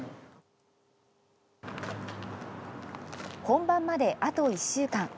本番まであと１週間。